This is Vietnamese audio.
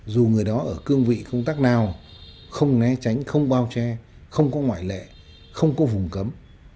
dù người đó ở cương vị công tác nào không né tránh không bao che không có ngoại lệ không có vùng cấm